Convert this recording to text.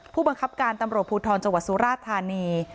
ผู้บังคับการตำรวจภูทรจังหวัดสุราธานี